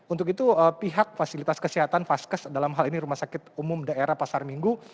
untuk itu pihak fasilitas kesehatan vaskes dalam hal ini rumah sakit umum daerah pasar minggu